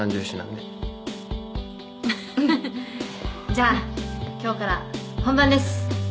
じゃあ今日から本番です。